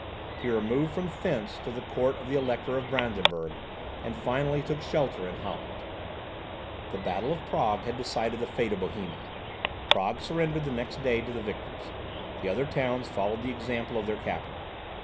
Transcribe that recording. He removed from thence to the court of the Elector of Brandenburg, and finally took shelter in Holland. The battle of Prague had decided the fate of Bohemia. Prague surrendered the next day to the victors; the other towns followed the example of the capital.